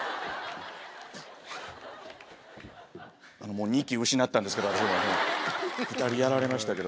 もう２機失ったんですけど２人やられましたけど。